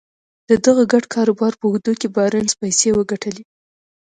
د دغه ګډ کاروبار په اوږدو کې بارنس پيسې وګټلې.